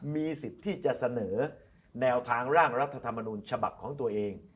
มีสิทธิ์ที่จะเสนอแนวทางร่างรัฐธรรมนูญฉบับของตัวเอง